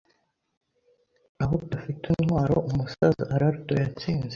Aho udafite intwaro umusaza Alardo yatsinze